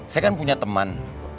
saya kan punya teman